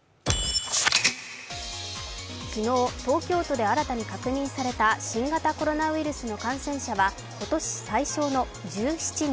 昨日、東京都で新たに確認された新型コロナウイルスの感染者は今年最少の１７人。